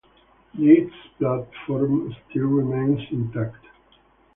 This platform still remains intact.